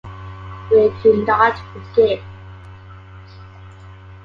We do not forgive!